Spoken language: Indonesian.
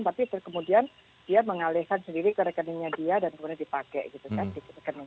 tapi kemudian dia mengalihkan sendiri ke rekeningnya dia dan kemudian dipakai gitu kan